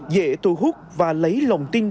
dễ thu hút và lấy lòng tin